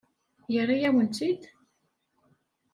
Yerra-yawen-tt-id?